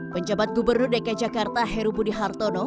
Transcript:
penjabat gubernur dki jakarta heru budi hartono